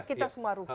kita semua rugi